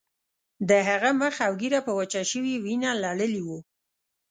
د هغه مخ او ږیره په وچه شوې وینه لړلي وو